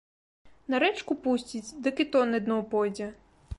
На рэчку пусціць, дык і то на дно пойдзе.